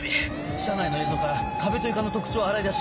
車内の映像から壁と床の特徴を洗い出し